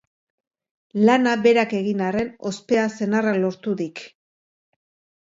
Lana berak egin arren, ospea senarrak lortu dik!